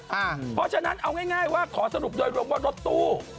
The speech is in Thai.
เพราะฉะนั้นเอาง่ายว่าขอสรุปโดยรวมว่ารถตู้